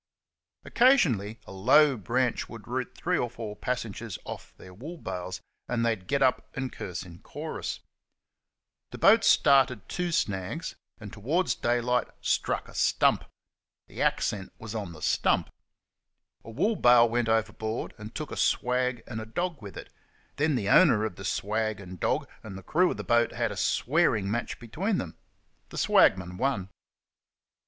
Occasionally a low branch would root three or four passengers off their wool bales, and they'd get up and curse in chorus. The boat started THE DARLING RIVER 63 two snags; and towards daylight struck a stump. The accent was on the stump. A wool bale went overboard, and took a swag and a dog with it; then the owner of the swag and dog and the crew of the boat had a swearing match between them. The swagman won.